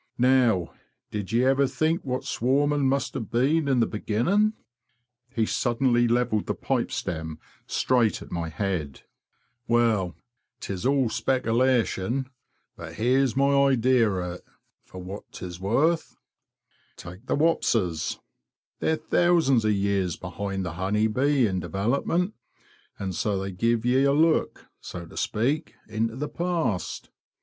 Now, did ye ever think what swarming must have been in the beginning? "' He suddenly levelled the pipe stem straight at my head. " Well, 'tis all speckilation, but here's my idee o' it, for what 'tis worth. Take the wapses: they're thousands of years behind the honey bee in development, and so they give ye a look, so to speak, into the past.